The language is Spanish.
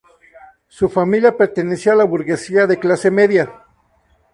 Su familia pertenecía a la burguesía de clase media.